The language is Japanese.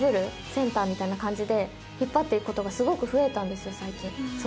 みたいな感じで引っ張って行くことがすごく増えたんですよ